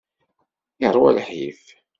Yeṛwa lḥif.